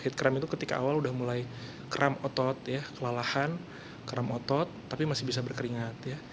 heat cramp itu ketika awal udah mulai kram otot ya kelalahan kram otot tapi masih bisa berkeringat ya